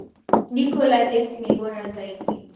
Jiko la gesi ni bora zaidi.